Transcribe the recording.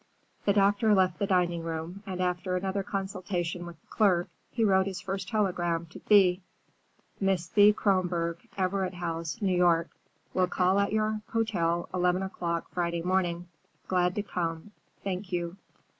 The doctor left the dining room, and after another consultation with the clerk, he wrote his first telegram to Thea:— Miss Thea Kronborg, Everett House, New York. Will call at your hotel eleven o'clock Friday morning. Glad to come. Thank you.